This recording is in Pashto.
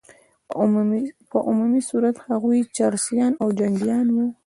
په عمومي صورت هغوی چرسیان او جنګیان وه.